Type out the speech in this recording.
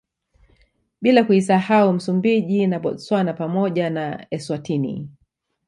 Bila kuisahau Msumbiji na Botswana pamoja na Eswatini